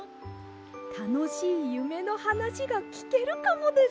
たのしいゆめのはなしがきけるかもです。